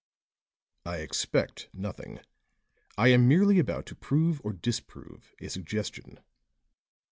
"I expect nothing. I am merely about to prove or disprove a suggestion."